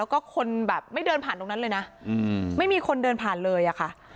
แล้วก็คนแบบไม่เดินผ่านตรงนั้นเลยนะไม่มีคนเดินผ่านเลยอะค่ะ